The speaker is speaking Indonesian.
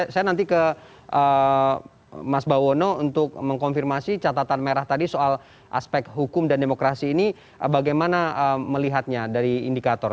saya nanti ke mas bawono untuk mengkonfirmasi catatan merah tadi soal aspek hukum dan demokrasi ini bagaimana melihatnya dari indikator